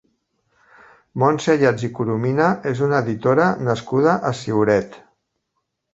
Montse Ayats i Coromina és una editora nascuda a Ciuret.